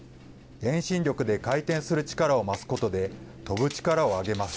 遠心力で回転する力を増すことで、飛ぶ力を上げます。